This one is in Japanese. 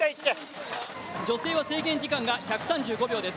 女性は制限時間が１３５秒です。